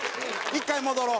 １回戻ろう。